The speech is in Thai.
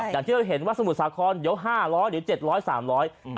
อย่างที่เราเห็นว่าสมุทรสาข้อนเดี๋ยว๕๐๐หรือ๗๐๐๓๐๐